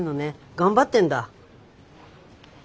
頑張ってんだ。